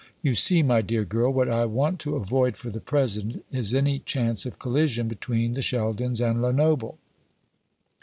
You see, my dear girl, what I want to avoid, for the present, is any chance of collision between the Sheldons and Lenoble."